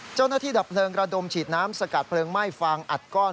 เจ้าหน้าที่ดับเผลิงกระดมฉีดน้ำสกัดเพลิงไหม้ฟางอัดก้อน